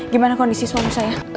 gimana kondisi suami saya